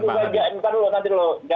jangan main main yang lain kita saja